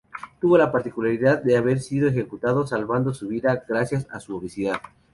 Tuvo la particularidad de haber sido ejecutado, salvando su vida gracias a su obesidad.